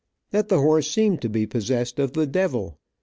That the horse seemed to be possessed of the devil.